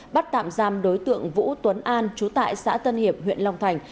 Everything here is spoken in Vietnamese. bắt tạm giam đối tượng vũ tuấn an chú tại xã tân hiệp huyện long thành